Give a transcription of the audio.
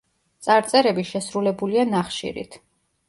წარწერები შესრულებულია ნახშირით.